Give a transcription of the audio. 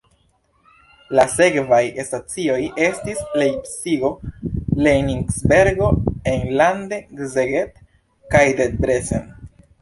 La sekvaj stacioj estis Lejpcigo, Kenigsbergo, enlande Szeged kaj Debrecen.